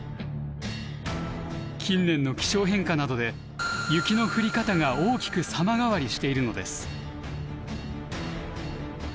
近年の気象変化などで雪の降り方が大きく様変わりしているのです。